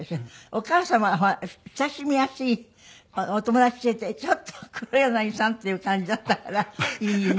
お母様はほら親しみやすいお友達連れて「ちょっと黒柳さん！」っていう感じだったからいいな。